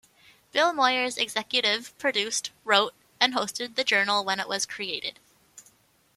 Bill Moyers executive produced, wrote and hosted the "Journal" when it was created.